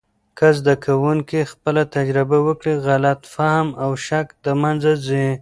که زده کوونکي خپله تجربه وکړي، غلط فهم او شک د منځه ځي.